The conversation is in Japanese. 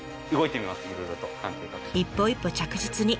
一歩一歩着実に。